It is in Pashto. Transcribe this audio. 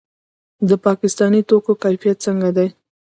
د پاکستاني توکو کیفیت څنګه دی؟